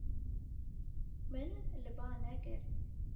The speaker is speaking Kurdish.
Min li ba nekir.